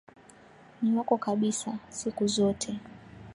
Ni wako kabisa, siku zote.